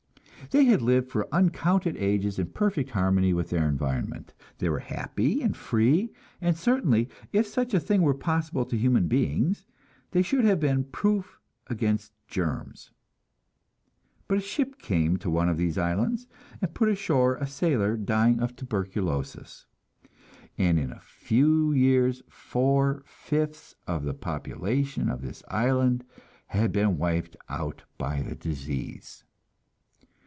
They had lived for uncounted ages in perfect harmony with their environment; they were happy and free; and certainly, if such a thing were possible to human beings, they should have been proof against germs. But a ship came to one of these islands, and put ashore a sailor dying of tuberculosis, and in a few years four fifths of the population of this island had been wiped out by the disease.